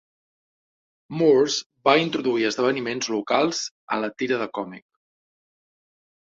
Moores va introduir esdeveniments locals a la tira de còmic.